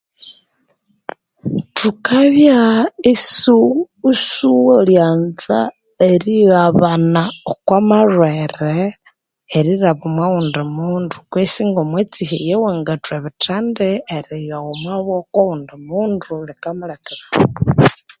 Thukabya isuu isighulyanza erighabana okwamalhwere erilhaba omo ghundi mundu kwesi ngomwa etsihya eyiwangathwa ebittand eriyawa mobo okwa ghundi mundu